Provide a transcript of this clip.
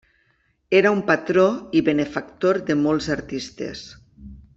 Era un patró i benefactor de molts artistes.